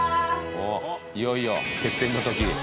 おっいよいよ決戦の時。